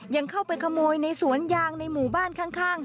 ยังเข้าไปขโมยในสวนยางในหมู่บ้านข้าง